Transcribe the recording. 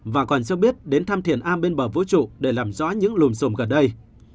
và còn cho biết đến thăm thiền a bên bờ vũ trụ để làm rõ những lùm xùm gần đây